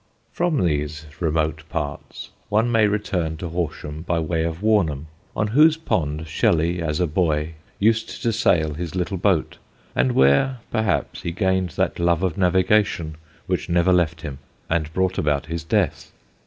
From these remote parts one may return to Horsham by way of Warnham, on whose pond Shelley as a boy used to sail his little boat, and where perhaps he gained that love of navigation which never left him and brought about his death.